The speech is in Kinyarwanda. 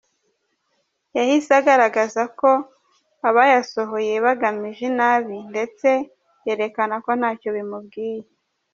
Yahise agaragaza ko abayasohoye bagamije inabi ndetse yerekana ko ntacyo bimubwiye.